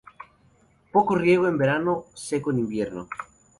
Poco riego en verano, seco en invierno.